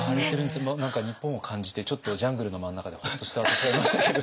何か日本を感じてちょっとジャングルの真ん中でホッとした私がいましたけれど。